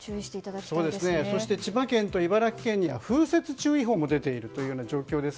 そして千葉県と茨城県には風雪注意報も出ている状況です。